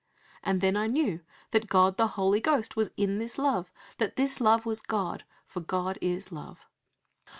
And then I knew that God the Holy Ghost was in this love, and that this love was God, for "God is love."